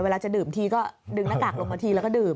จะดื่มทีก็ดึงหน้ากากลงมาทีแล้วก็ดื่ม